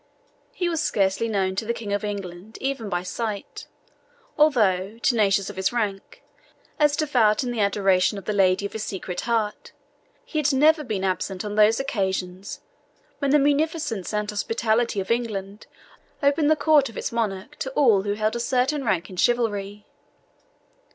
He was scarcely known to the King of England, even by sight, although, tenacious of his rank, as devout in the adoration of the lady of his secret heart, he had never been absent on those occasions when the munificence and hospitality of England opened the Court of its monarch to all who held a certain rank in chivalry.